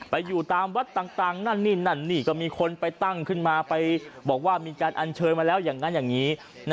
ไปอยู่ตามวัดต่างนั่นนี่นั่นนี่ก็มีคนไปตั้งขึ้นมาไปบอกว่ามีการอัญเชิญมาแล้วอย่างนั้นอย่างนี้